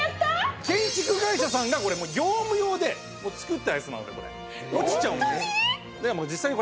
建築会社さんが業務用で作ったやつなのでこれ。落ちちゃうんです。